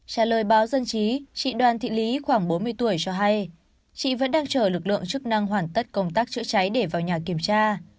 trả lời báo dân chí chị đoàn thị lý khoảng bốn mươi tuổi cho hay chị vẫn đang chờ lực lượng chức năng hoàn tất công tác chữa cháy để vào nhà kiểm tra